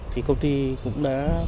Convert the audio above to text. thì công ty cũng đã